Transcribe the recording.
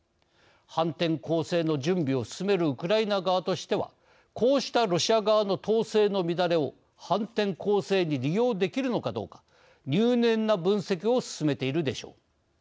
反転攻勢の準備を進めるウクライナ側としてはこうしたロシア側の統制の乱れを反転攻勢に利用できるのかどうか入念な分析を進めているでしょう。